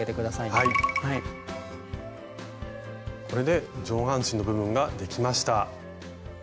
これで上半身の部分ができました。